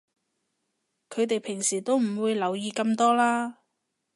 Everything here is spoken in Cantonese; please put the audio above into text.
佢哋平時都唔會留意咁多啦